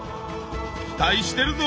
期待してるぞ！